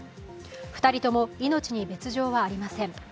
２人とも命に別状はありません。